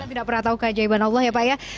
tidak pernah tahu keajaiban allah ya pak ya